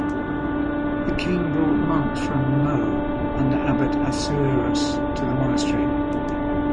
The king brought monks from Meaux under Abbot Assuerus to the monastery.